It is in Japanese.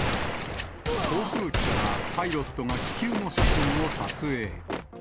航空機からパイロットが気球の写真を撮影。